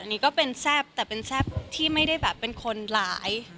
อันนี้ก็เป็นแซ่บแต่เป็นแซ่บที่ไม่ได้แบบเป็นคนร้าย